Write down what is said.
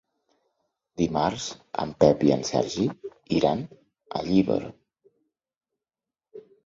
Dimarts en Pep i en Sergi iran a Llíber.